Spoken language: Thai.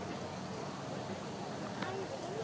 โปรดติดตามต่อไป